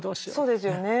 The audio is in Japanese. そうですよね。